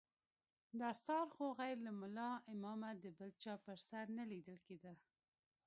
دستار خو غير له ملا امامه د بل چا پر سر نه ليدل کېده.